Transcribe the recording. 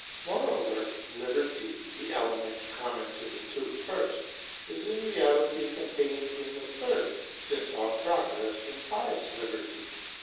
Moreover, Liberty, the element common to the two first, is in reality contained in the third; since all Progress implies Liberty.